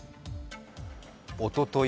おととい